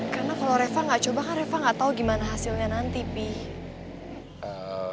karena kalau reva gak coba kan reva gak tau gimana hasilnya nanti pih